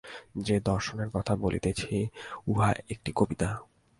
যে দর্শনের কথা বলিতেছি, উহা একটি কবিতা।